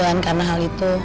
insyaallah reda simple